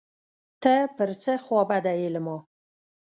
ته پر څه خوابدی یې له ما